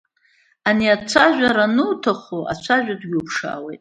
Ани ацәажәара ануҭаху ацәажәатәгьы уԥшаауеит.